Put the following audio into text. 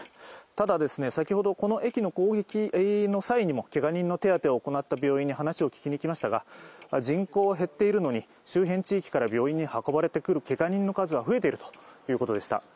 ただ、先ほどこの駅の攻撃の際にもけが人の手当てを行った病院に話を聞きましたが人口は減っているのに、周辺地域から病院に運ばれてくるけが人の数は増えているということでした。